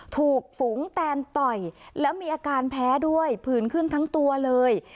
ถูกฝูงแตนต่อยแล้วมีอาการแพ้ด้วยผื่นขึ้นทั้งตัวเลย